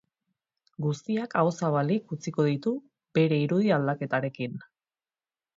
Guztiak aho-zabalik utziko ditu bere irudi aldaketarekin.